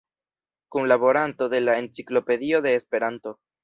Kunlaboranto de la "Enciklopedio de Esperanto".